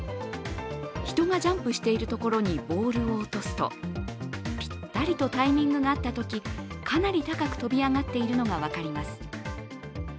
人がジャンプしているところにボールを落とすとぴったりとタイミングが合ったとき、かなり高く飛び上がっているのが分かります。